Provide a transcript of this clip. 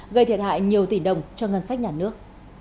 gây thiệt hại nhiều tỷ đồng cho ngân sách nhà nước